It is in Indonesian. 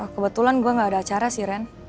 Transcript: kebetulan gue gak ada acara sih ren